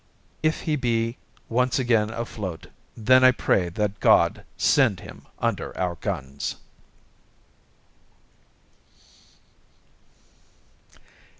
If he be once again afloat, then I pray that God send him under our guns."